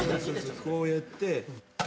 こうやって。